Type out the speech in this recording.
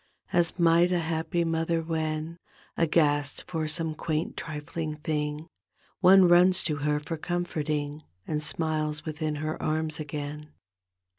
Ai might a happy mother, when. Aghast for some quaint, trifling thing. One runs to her for comforting. And smiles within her arms again.